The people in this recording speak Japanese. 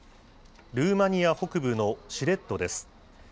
ルーマニア北部のシレットです。